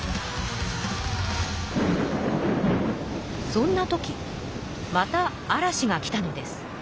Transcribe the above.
そんなときまた嵐が来たのです。